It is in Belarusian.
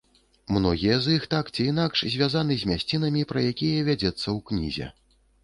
Многія з іх так ці інакш звязаны з мясцінамі, пра якія вядзецца ў кнізе.